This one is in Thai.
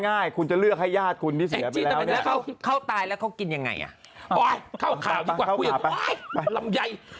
ง่ายคุณจะเลือกให้ยาดคุณเนี่ย